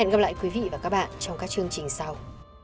cảm ơn quý vị và các bạn trong các chương trình sau